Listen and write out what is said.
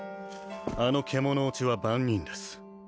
あの獣堕ちは番人です